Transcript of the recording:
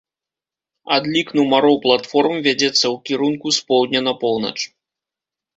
Адлік нумароў платформ вядзецца ў кірунку з поўдня на поўнач.